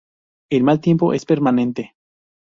El mal tiempo es permanente.